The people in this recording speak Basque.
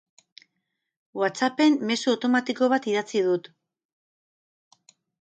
WhatsApp-en mezu automatiko bat idatzi dut.